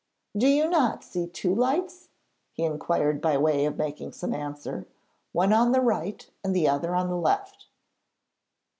'Do you not see two lights?' he inquired by way of making some answer; 'one on the right and the other on the left.'